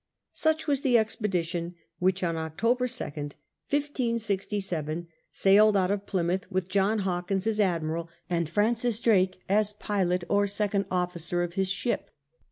Such was the expedition which on October 2nd, 1567, sailed out of Plymouth harbour with John Hawkins as admiral, and Francis Drake as pilot or second officer of his ship.